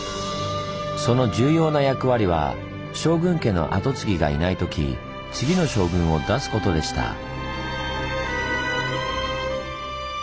その重要な役割は将軍家の跡継ぎがいないとき次の将軍を出すことでした。